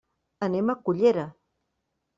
Anem a Cullera.